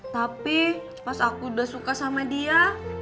tapi pas aku udah suka sama dia